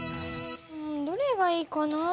うんどれがいいかな？